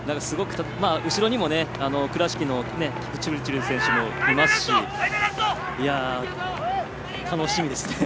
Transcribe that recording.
後ろにも倉敷のキプチルチル選手もいますし楽しみですね。